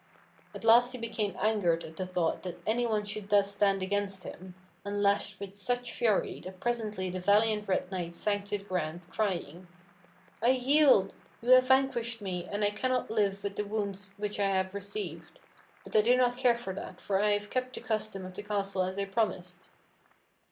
At last he became angered at the thought that anyone should thus stand against him, and lashed with such fury that presently the valiant red knight sank to the ground, crying: "I yield! You have vanquished me, and I cannot live with the wounds which I have received; but I do not care for that, for I have kept the custom of the castle as I promised!"